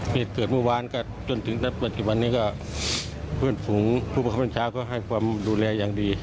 ผู้ประคบรรชาก็ให้ความดูแลอย่างดี